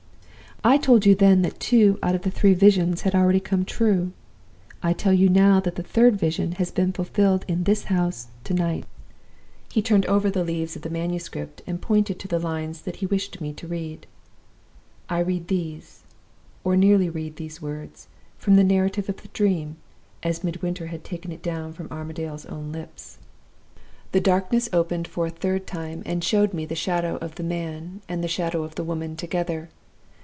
I told you then that two out of the three Visions had already come true. I tell you now that the third Vision has been fulfilled in this house to night.' "He turned over the leaves of the manuscript, and pointed to the lines that he wished me to read. "I read these, or nearly read these words, from the Narrative of the Dream, as Midwinter had taken it down from Armadale's own lips: "'The darkness opened for the third time, and showed me the Shadow of the Man and the Shadow of the Woman together.